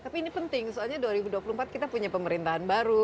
tapi ini penting soalnya dua ribu dua puluh empat kita punya pemerintahan baru